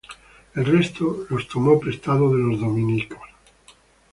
El restó los tomó prestados de los dominicos.